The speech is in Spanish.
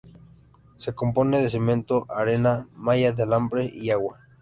Se compone de cemento, arena, malla de alambre y agua.